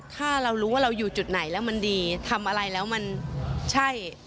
ถ้าเรารู้ว่าเราอยู่จุดไหนแล้วมันดีทำอะไรแล้วมันใช่